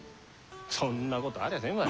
そんなことありゃせんわい。